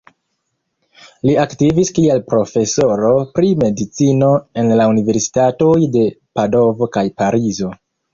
Li aktivis kiel profesoro pri medicino en la Universitatoj de Padovo kaj Parizo.